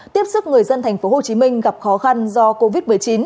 tiếp sức người dân tp hcm gặp khó khăn do covid một mươi chín